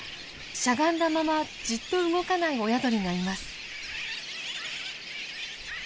しゃがんだままじっと動かない親鳥がいます。